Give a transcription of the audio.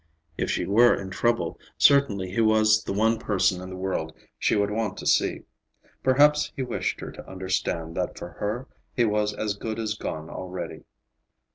If she were in trouble, certainly he was the one person in the world she would want to see. Perhaps he wished her to understand that for her he was as good as gone already.